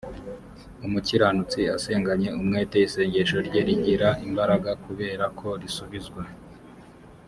umukiranutsi asenganye umwete isengesho rye rigira imbaraga kubera ko risubizwa